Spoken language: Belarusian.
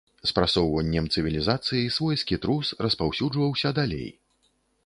З прасоўваннем цывілізацыі свойскі трус распаўсюджваўся далей.